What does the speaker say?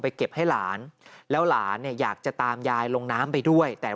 เก็บให้หลานแล้วหลานเนี่ยอยากจะตามยายลงน้ำไปด้วยแต่